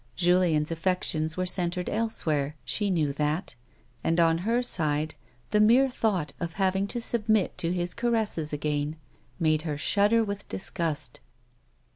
Julien's alfections were centred elsewhere ; she knew that ; and, on her side, the mere thought of having to submit to his caresses again, made her shudder with disgust.